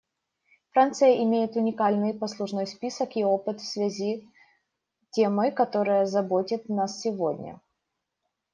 Франция имеет уникальный послужной список и опыт в связи темой, которая заботит нас сегодня.